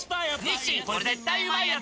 「日清これ絶対うまいやつ」